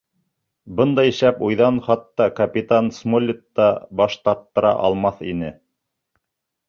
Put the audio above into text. Бындай шәп уйҙан хатта капитан Смолетт та баш тарттыра алмаҫ ине.